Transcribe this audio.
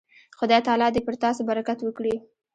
خدای تعالی دې پر تاسو برکت وکړي.